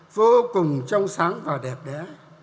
vô cùng trong sáng và đẹp đẽ